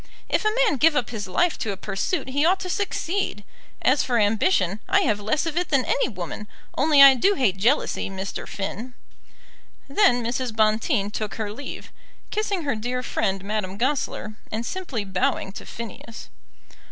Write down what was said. If a man give up his life to a pursuit he ought to succeed. As for ambition, I have less of it than any woman. Only I do hate jealousy, Mr. Finn." Then Mrs. Bonteen took her leave, kissing her dear friend, Madame Goesler, and simply bowing to Phineas.